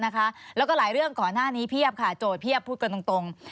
แล้วก็หลายเรื่องก่อนหน้านี้เพียบค่ะโจทย์เพียบพูดกันตรง